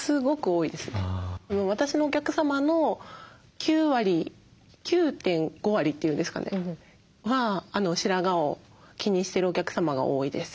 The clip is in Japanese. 私のお客様の９割９．５割って言うんですかねは白髪を気にしてるお客様が多いです。